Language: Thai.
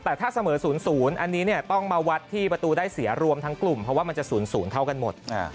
แต่ถ้าเสมอ๐๐อันนี้ต้องมาวัดที่ประตูได้เสียรวมทั้งกลุ่มเพราะว่ามันจะ๐๐เท่ากันหมด